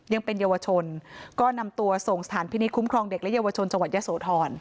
ยังเป็นเยาวชนก็นำตัวส่งสถานพินิษฐคุ้มครองเด็กและเยาวชนจังหวัดยะโสธร